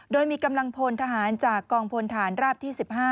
โดยมีกำลังพลทหารจากกองพลฐานราบที่๑๕